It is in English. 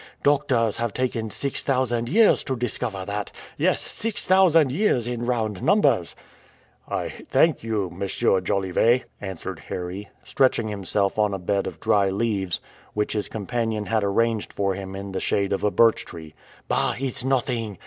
Doctors have taken six thousand years to discover that! Yes, six thousand years in round numbers!" "I thank you, M. Jolivet," answered Harry, stretching himself on a bed of dry leaves, which his companion had arranged for him in the shade of a birch tree. "Bah! it's nothing!